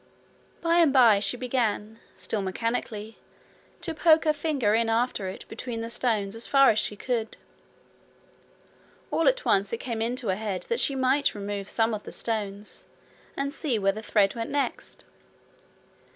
By and by she began, still mechanically, to poke her finger in after it between the stones as far as she could. All at once it came into her head that she might remove some of the stones and see where the thread went next.